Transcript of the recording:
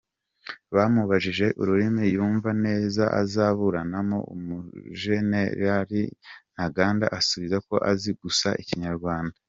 Bamubajije ururimi yumva neza azaburanamo; Umujenerali Ntaganda asubiza ko azi gusa ikinyarwanda.